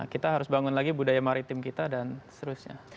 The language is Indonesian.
kita harus bangun lagi budaya maritim kita dan seterusnya